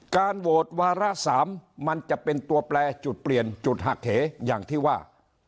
การโหวตวาระ๓มันจะเป็นตัวแปลจุดเปลี่ยนจุดหักเหอย่างที่ว่า